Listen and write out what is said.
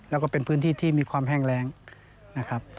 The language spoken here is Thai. แล้วก็เป็นพื้นที่ที่มีความแห้งแรงนะครับ